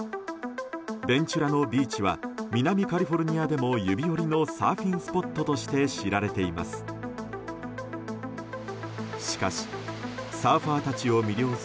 ベンチュラのビーチは南カリフォルニアでも指折りのサーフィンスポットとして知られています。